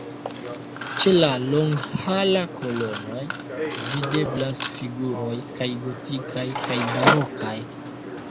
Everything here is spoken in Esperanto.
Ĉe la longhala kolonoj videblas figuroj kaj gotikaj kaj barokaj.